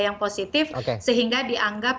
yang positif sehingga dianggap